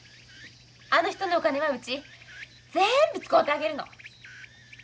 あの人のお金はうちぜんぶ使うてあげるの。